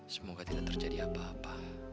semoga tidak terjadi apa apa